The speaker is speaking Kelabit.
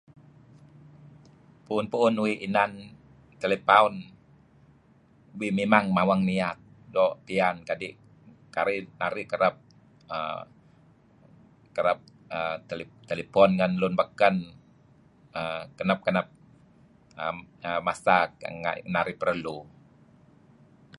Pu'un-pu-un uih inan telepaun uih memang mawang niyat doo' liyat kadi' narih kereb err kereb telepon ngan lun beken err kenep-kenep [er er] masa nga' narih perlu.